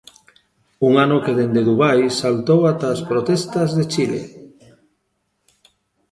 Un ano que dende Dubai saltou ata as protestas de Chile.